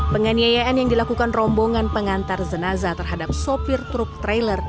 penganiayaan yang dilakukan rombongan pengantar jenazah terhadap sopir truk trailer